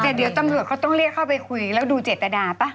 แต่เดี๋ยวตำรวจเขาต้องเรียกเข้าไปคุยแล้วดูเจตนาป่ะ